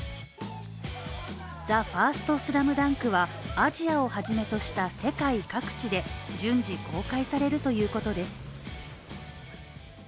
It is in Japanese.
「ＴＨＥＦＩＲＳＴＳＬＡＭＤＵＮＫ」はアジアを初めとした世界各地で順次公開されるということです。